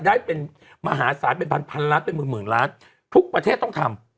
ได้เป็นมหาศาลเป็นพันพันล้านเป็นหมื่นล้านทุกประเทศต้องทำ